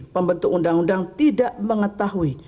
pembentuk undang undang tidak mengetahui